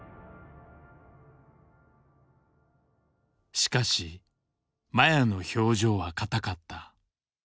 しかし麻也の表情は固かった。